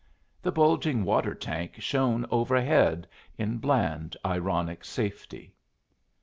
The bulging water tank shone overhead in bland, ironic safety.